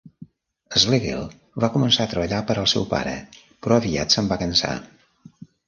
Schlegel va començar a treballar per al seu pare, però aviat se'n va cansar.